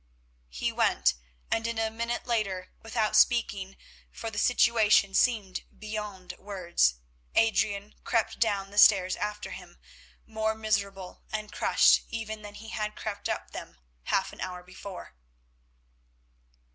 He went, and a minute later without speaking, for the situation seemed beyond words, Adrian crept down the stairs after him, more miserable and crushed even than he had crept up them half an hour before.